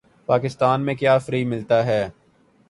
پاکستان میں کیا فری ملتا ہے